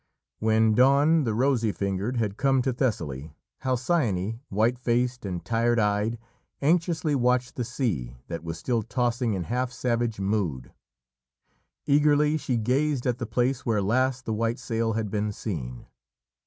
When Dawn, the rosy fingered, had come to Thessaly, Halcyone, white faced and tired eyed, anxiously watched the sea, that still was tossing in half savage mood. Eagerly she gazed at the place where last the white sail had been seen.